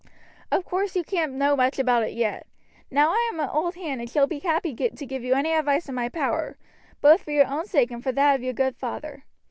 Of course you can't know much about it yet. Now I am an old hand and shall be happy to give you any advice in my power, both for your own sake and for that of your good father.